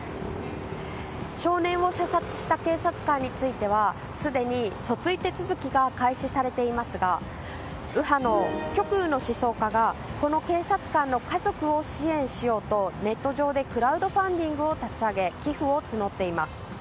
少年を射殺した警察官についてはすでに訴追手続きが開始されていますが極右の思想家がこの警察官の家族を支援しようとネット上でクラウドファンディングを立ち上げ寄付を募っています。